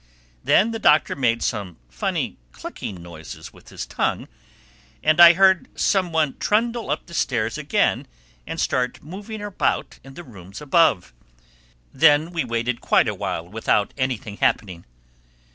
Then the Doctor made some funny clicking noises with his tongue and I heard some one trundle up the stairs again and start moving about in the rooms above. Then we waited quite a while without anything happening.